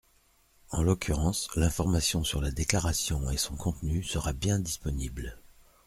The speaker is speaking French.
En l’occurrence, l’information sur la déclaration et son contenu sera bien disponible.